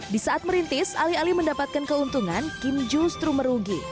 di saat merintis alih alih mendapatkan keuntungan kim justru merugi